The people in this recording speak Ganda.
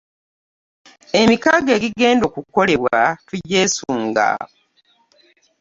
Emikago egigenda okukolebwa tugyesunga.